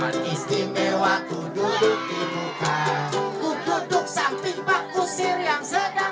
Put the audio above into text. mereka harus memiliki kemampuan untuk memiliki kemampuan untuk memiliki kemampuan